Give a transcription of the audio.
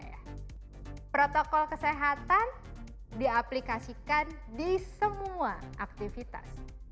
protokol kesehatan diaplikasikan di semua aktivitas